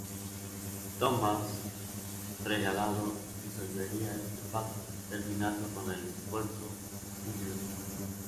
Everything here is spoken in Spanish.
Tomás Regalado disolvería este Pacto, terminando con el esfuerzo unionista.